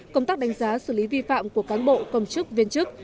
công tác đánh giá xử lý vi phạm của cán bộ công chức viên chức